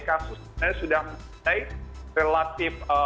kasus sebenarnya sudah mulai relatif